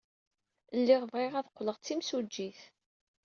Lliɣ bɣiɣ ad qqleɣ d timsujjit.